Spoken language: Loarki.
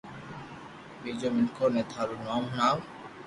ٻيجو مينکو ني ٿارو نوم ھڻاو